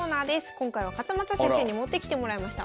今回は勝又先生に持ってきてもらいました。